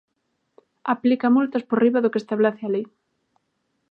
Aplica multas por riba do que establece a lei.